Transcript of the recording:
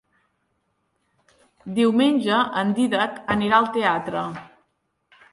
Diumenge en Dídac anirà al teatre.